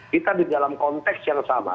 kita di dalam konteks yang sama